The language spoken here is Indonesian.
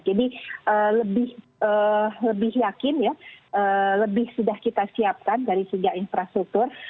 jadi lebih yakin ya lebih sudah kita siapkan dari segi infrastruktur